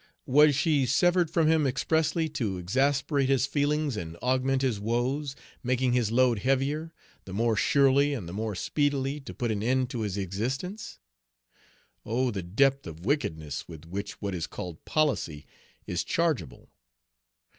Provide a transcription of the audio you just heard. Was she severed from him expressly to exasperate his feelings and augment his woes, making his load heavier, the more surely and the more speedily to put an end to his existence? Oh, the depth of wickedness with which what is called policy is chargeable!